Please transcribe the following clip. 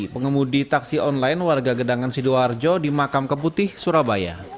pengemudi taksi online warga gedangan sidoarjo di makam keputih surabaya